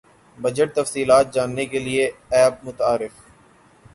budget تفصیلات جاننے کیلئے ایپ متعارف